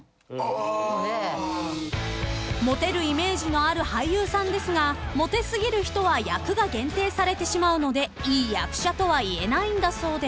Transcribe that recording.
［モテるイメージのある俳優さんですがモテすぎる人は役が限定されてしまうのでいい役者とは言えないんだそうで］